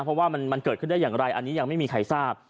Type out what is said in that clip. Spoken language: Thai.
เพราะว่ามันเกิดขึ้นได้อย่างไรอันนี้ยังไม่มีใครทราบ